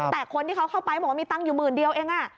แต่คนที่เขาเข้าไปบอกว่ามีตังค์อยู่หมื่นเดียวเอง